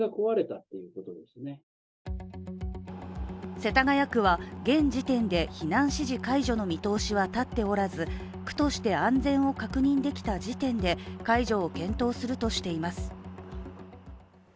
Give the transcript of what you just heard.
世田谷区は、現時点で避難指示解除の見通しは立っておらず、区として安全を確認できた時点で解除を検討するとしています。